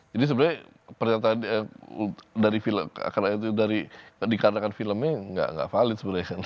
jadi sebenarnya pernyataan dikarenakan filmnya tidak valid